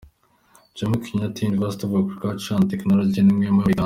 Jomo Kenyatta University of Agriculture and Technology n’imwe yo muri Uganda.